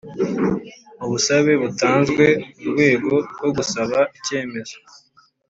Ubusabe butanzwe mu rwego rwo gusaba icyemezo